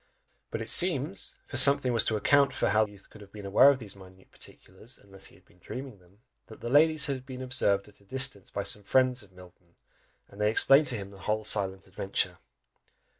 But it seems, for something was to account how the sleeping youth could have been aware of these minute particulars, unless he had been dreaming them, that the ladies had been observed at a distance by some friends of Milton, and they explained to him the whole silent adventure.